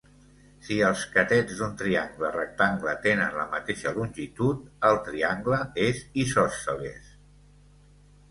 Si els catets d'un triangle rectangle tenen la mateixa longitud, el triangle és isòsceles.